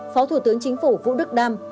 phó thủ tướng chính phủ vũ đức đam